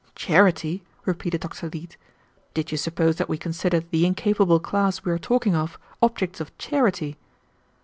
"Charity!" repeated Dr. Leete. "Did you suppose that we consider the incapable class we are talking of objects of charity?"